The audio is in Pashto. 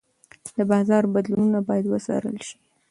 د بازار بدلونونه باید وڅارل شي.